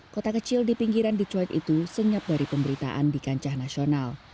kota kecil di pinggiran decok itu senyap dari pemberitaan di kancah nasional